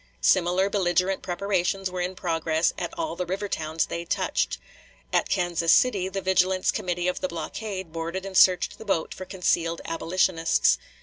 Similar belligerent preparations were in progress at all the river towns they touched. At Kansas City the vigilance committee of the blockade boarded and searched the boat for concealed "abolitionists."